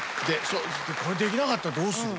これできなかったらどうする？